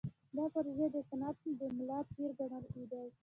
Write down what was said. دا پروژې د صنعت د ملا تیر ګڼل کېدې.